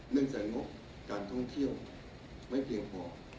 เนื่องจากงบการท่องเที่ยวไม่เพียงพอ